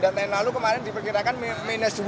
ramadhan yang lalu kemarin diperkirakan minus dua